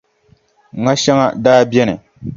Ŋa shɛŋa daa beni,